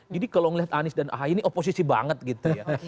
jadi kalau ngelihat anies dan ahy ini oposisi banget gitu ya